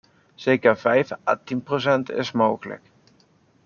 Zeker vijf à tien procent is mogelijk.